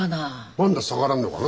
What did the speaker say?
まんだ下がらんのかな？